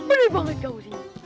bener banget kamu sih